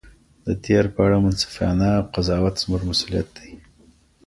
د تېر په اړه منصفانه قضاوت زموږ مسؤلیت دی.